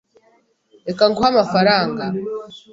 Reka nguhe amafaranga.